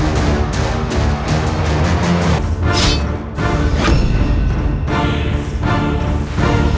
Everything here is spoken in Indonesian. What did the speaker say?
engkau adalah puteraku